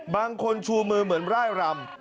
บางคนชูมือเหมือนร่ายรำ